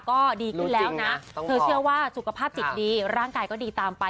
ก็ดีขึ้นแล้วนะรู้จริงนะต้องพอเธอเชื่อว่าสุขภาพจิตดีร่างกายก็ดีตามไป